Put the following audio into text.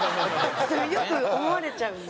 それよく思われちゃうんで。